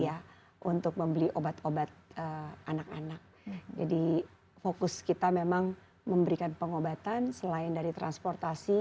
ya untuk membeli obat obat anak anak jadi fokus kita memang memberikan pengobatan selain dari transportasi